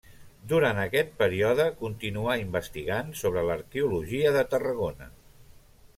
Durant aquest període continuà investigant sobre l'arqueologia de Tarragona.